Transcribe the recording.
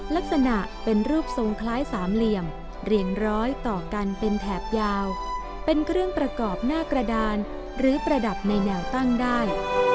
ลักษณะเป็นรูปทรงคล้ายสามเหลี่ยมเรียงร้อยต่อกันเป็นแถบยาวเป็นเครื่องประกอบหน้ากระดานหรือประดับในแนวตั้งได้